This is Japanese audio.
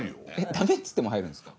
「ダメ」っつっても入るんですか？